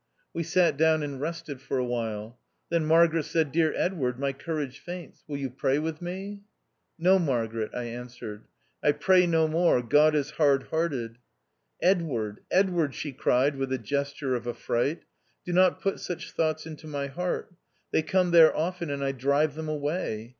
We sat down and rested for a while. Then Margaret said, "Dear Edward, my courage faints. Will you pray with me I " No. Margaret," I answered, "I pray no more. God is hard hearted." " Edward ! Edward 1 " she cried with a gesture of affright, "do not put such thoughts into my heart ; they come there often, and I drive them away.